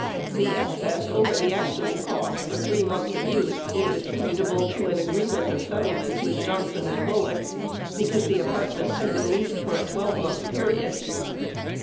(The excess over the actual cost for 3 months of use is attributable to an agreement of settlement with Johnson and Bullock because the apartments had been leased for a 12 month period.)